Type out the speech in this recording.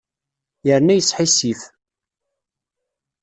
Yerna yesḥissif.